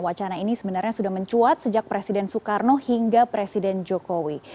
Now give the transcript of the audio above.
wacana ini sebenarnya sudah mencuat sejak presiden soekarno hingga presiden jokowi